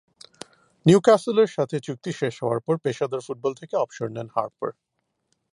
নিউক্যাসলের সাথে চুক্তি শেষ হওয়ার পর পেশাদার ফুটবল থেকে অবসর নেন হার্পার।